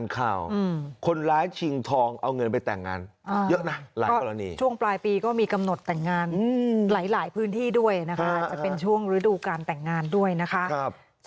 เขาทำอย่างไรเขาว่ายังไงกับเรื่องเขา